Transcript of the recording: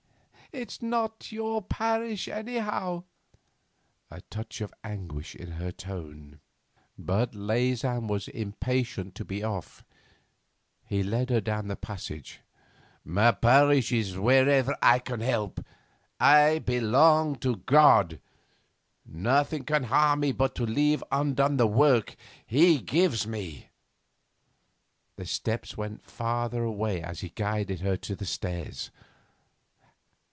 It's not your parish anyhow ...' a touch of anguish in her tone. But Leysin was impatient to be off. He led her down the passage. 'My parish is wherever I can help. I belong to God. Nothing can harm me but to leave undone the work He gives me.' The steps went farther away as he guided her to the stairs.